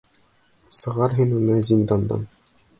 — Сығар һин уны зиндандан.